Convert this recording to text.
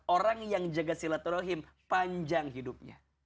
orang yang jaga silaturahim panjang hidupnya